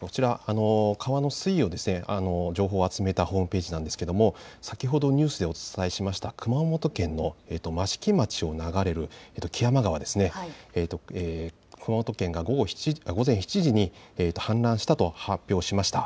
こちら、川の水位の情報を集めたホームページなんですが先ほどニュースでお伝えしました熊本県の益城町を流れる木山川、熊本県が午前７時に氾濫したと発表しました。